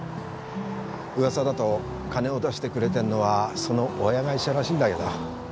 うわさだと金を出してくれてんのはその親会社らしいんだけど。